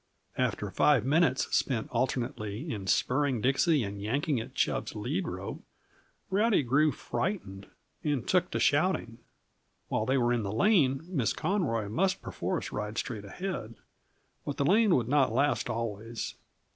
After five minutes spent alternately in spurring Dixie and yanking at Chub's lead rope, Rowdy grew frightened and took to shouting. While they were in the lane Miss Conroy must perforce ride straight ahead, but the lane would not last always.